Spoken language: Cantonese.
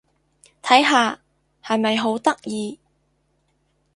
睇下！係咪好得意？